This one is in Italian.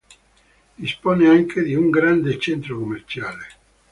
Dispone anche di un grande centro commerciale.